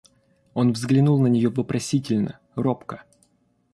Он взглянул на нее вопросительно, робко.